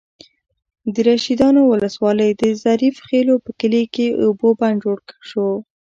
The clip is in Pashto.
د رشيدانو ولسوالۍ، د ظریف خېلو په کلي کې د اوبو بند جوړ شو.